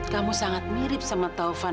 kamu sangat mirip sama taufan